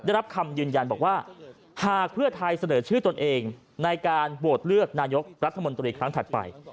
ได้รับคำยืนยันบอกว่าหากเพื่อไทยเสนอชื่อตนเองในการโหวตเลือกนายกรัฐมนตรีครั้งถัดไป